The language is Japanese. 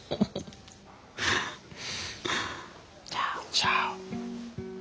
じゃあね。